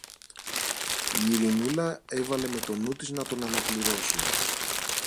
Η Ειρηνούλα έβαλε με το νου της να τον αναπληρώσει.